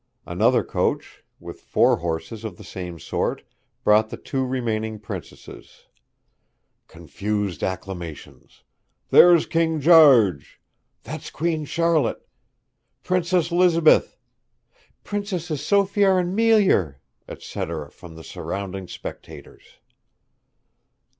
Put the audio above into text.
Another coach, with four horses of the same sort, brought the two remaining princesses. (Confused acclamations, 'There's King Jarge!' 'That's Queen Sharlett!' 'Princess 'Lizabeth!' 'Princesses Sophiar and Meelyer!' etc., from the surrounding spectators.)